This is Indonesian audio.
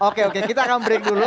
oke oke kita akan break dulu